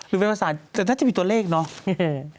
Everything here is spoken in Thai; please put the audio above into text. หรือเป็นภาษาแต่น่าจะมีตัวเลขเนาะ